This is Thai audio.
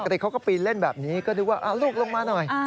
เด็กเขาก็ปีนเล่นแบบนี้ก็นึกว่าลูกลงมาหน่อย